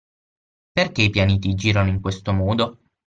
Perché i pianeti girano in questo modo?